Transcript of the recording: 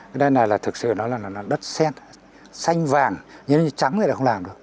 cái đất này thực sự là đất xét xanh vàng như như trắng này là không làm được